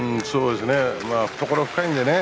懐深いんでね。